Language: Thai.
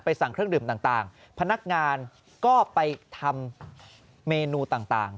สั่งเครื่องดื่มต่างพนักงานก็ไปทำเมนูต่าง